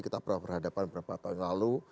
kita pernah berhadapan beberapa tahun lalu